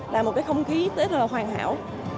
là một không khí tết hoàn hảo